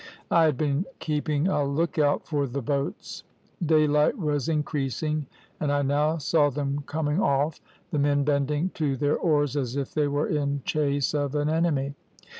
I had been keeping a look out for the boats. Daylight was increasing, and I now saw them coming off, the men bending to their oars as if they were in chase of an enemy.